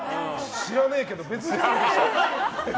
知らねえけど別ジャンルでした。